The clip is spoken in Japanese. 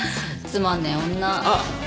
つまんねえ女。